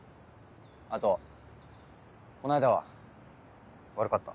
あとこの間は悪かった。